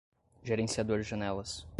gerenciador de janelas